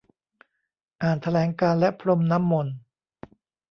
อ่านแถลงการณ์ และ พรมน้ำมนต์